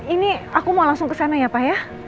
ini aku mau langsung kesana ya pak ya